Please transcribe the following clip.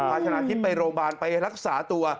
พาชนะทิพย์ไปโรงพยาบาลไปรักษาตัว